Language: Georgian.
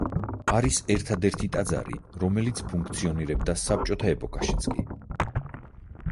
არის ერთადერთი ტაძარი, რომელიც ფუნქციონირებდა საბჭოთა ეპოქაშიც კი.